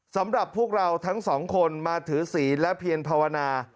สำหรับพวกเราทั้งสองคนมาถือศีลและเพียรภาวนา